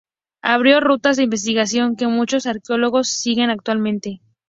Abrió rutas de investigación que muchos arqueólogos siguen actualmente.